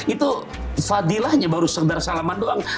itu fadilahnya baru serdar salaman doang